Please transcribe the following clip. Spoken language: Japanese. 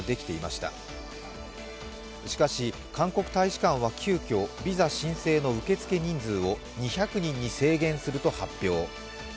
しかし、韓国大使館は急きょビザ申請の受付人数を２００人に制限すると発表。